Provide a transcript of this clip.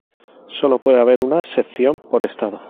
Solo puede haber una sección por estado.